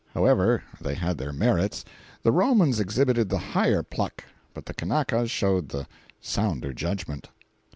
However, they had their merits; the Romans exhibited the higher pluck, but the Kanakas showed the sounder judgment.